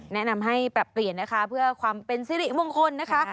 แนะนำให้ปรับเปลี่ยนนะคะเพื่อความเป็นสิริมงคลนะคะ